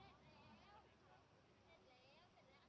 สวัสดีครับ